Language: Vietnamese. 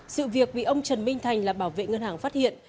sự việc bị ông trần minh thành là bảo vệ ngân hàng phát hiện